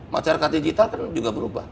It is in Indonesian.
masyarakat digital kan juga berubah